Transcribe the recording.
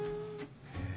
へえ。